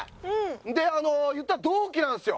であの言ったら同期なんですよ